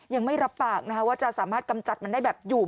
ยังไม่รับปากว่าจะสามารถกำจัดมันได้แบบอยู่